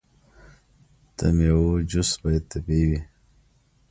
د میوو جوس باید طبیعي وي.